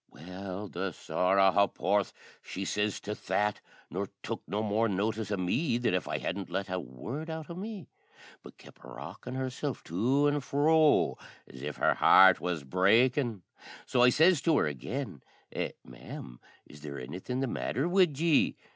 Well, the sorra ha'porth she sez to that, nor tuk no more notice o' me than if I hadn't let a word out o' me, but kep' rockin' herself to an' fro, as if her heart was breakin'; so I sez to her again, "Eh, ma'am, is there anythin' the matther wid ye?"